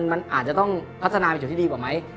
มันอาจจะต้องพัฒนาเป็นจุดที่ดีกว่าไหม